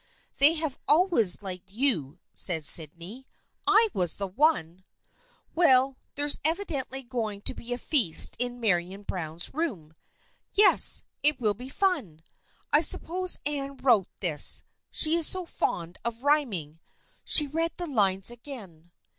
"They have always liked you," said Sydney. " I was the one !"" Well, there's evidently going to be a feast in Marian Browne's room." " Yes. It will be fun. I suppose Anne wrote this. She is so fond of rhyming." She read the lines again.